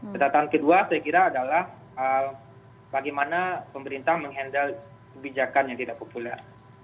catatan kedua saya kira adalah bagaimana pemerintah mengendal kebijakan yang tidak populer